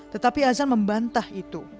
tetapi azan membantah itu